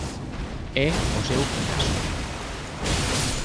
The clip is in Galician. É o seu caso.